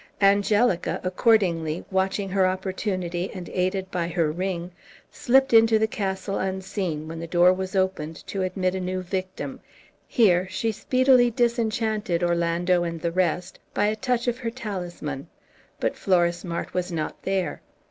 Angelica, accordingly, watching her opportunity and aided by her ring, slipped into the castle unseen, when the door was opened to admit a new victim. Here she speedily disenchanted Orlando and the rest by a touch of her talisman. But Florismart was not there.